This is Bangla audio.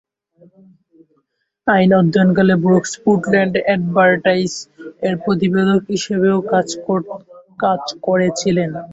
আইন অধ্যয়নকালে ব্রুকস "পোর্টল্যান্ড অ্যাডভাইটার্স-এর" প্রতিবেদক হিসাবেও কাজ করেছিলেন।